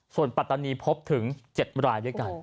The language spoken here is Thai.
ส่วนปัตตานีพบถึง๗รายด้วยกัน